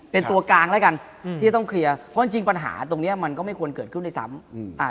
เป็นตัวกลางแล้วกันที่จะต้องเคลียร์เพราะจริงปัญหาตรงนี้มันก็ไม่ควรเกิดขึ้นได้ซ้ำ